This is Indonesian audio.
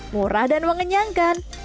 murah dan mengenyangkan